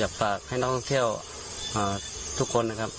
อย่าปากให้ท่องเที่ยวทุกคนนะครับ